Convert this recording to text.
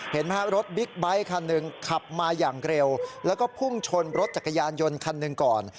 เห็นไหมฮะรถบิ๊กไบท์คันหนึ่งขับมาอย่างเร็วแล้วก็พุ่งชนรถจักรยานยนต์คันหนึ่งก่อน